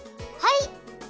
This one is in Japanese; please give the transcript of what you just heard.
はい！